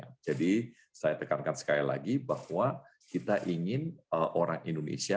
saya mengatakan tentang produk produk indonesia adalah posedongan yang sangat yang penting dalam perdagangan produktiven indonesia